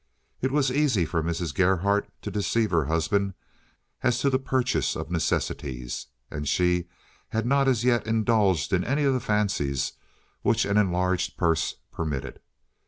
It was easy for Mrs. Gerhardt to deceive her husband as to the purchase of necessities and she had not as yet indulged in any of the fancies which an enlarged purse permitted.